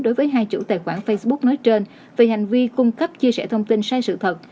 đối với hai chủ tài khoản facebook nói trên về hành vi cung cấp chia sẻ thông tin sai sự thật